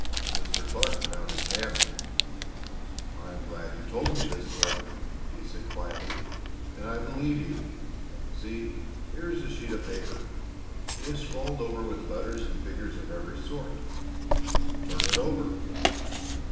Mr. Clark put out his hand. "I am glad you told me this, Thornton," he said quietly, "and I believe you. See, here is a sheet of paper; it is scrawled over with letters and figures of every sort. Turn it over."